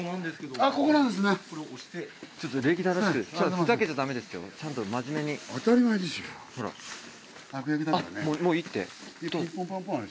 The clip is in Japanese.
あっもういいって。